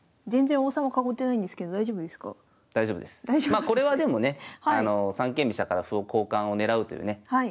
まあこれはでもね三間飛車から歩を交換を狙うというね。